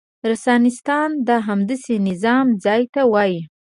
رنسانستان د همداسې نظام ځای ته وايي.